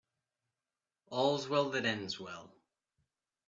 All's well that ends well.